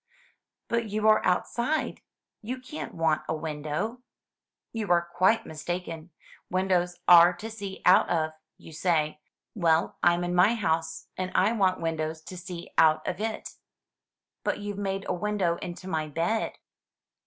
"But you are outside; you can't want a window." "You are quite mistaken. Windows are to see out of, you say. Well, I'm in my house, and I want windows to see out of it." "But you've made a window into my bed."